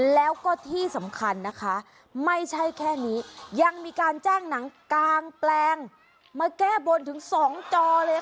แล้วก็ที่สำคัญนะคะไม่ใช่แค่นี้ยังมีการแจ้งหนังกางแปลงมาแก้บนถึง๒จอเลยค่ะ